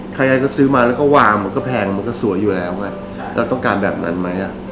ใครก็ซื้อมาแล้วก็วางมันก็แพงมันก็สวยอยู่แล้วไงเราต้องการแบบนั้นไหมอ่ะ